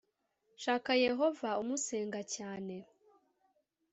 shaka yehova umusenga cyane